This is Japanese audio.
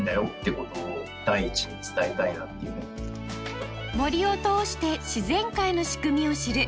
岸上さんが森を通して自然界の仕組みを知る